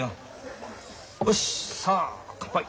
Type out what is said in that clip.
おしさあ乾杯。